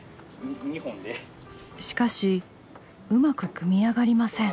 しかしうまく組み上がりません。